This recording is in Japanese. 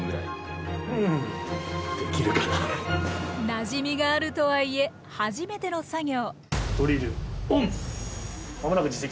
なじみがあるとはいえ初めての作業。